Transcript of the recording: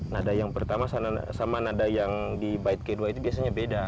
nada yang pertama sama nada yang di bait k dua itu biasanya beda